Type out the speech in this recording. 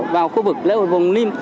vào khu vực lễ hội vùng lim